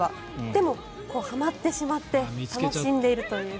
でも、はまってしまって楽しんでいるという。